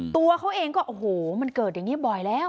ตัวเขาเองก็โอ้โหมันเกิดอย่างนี้บ่อยแล้ว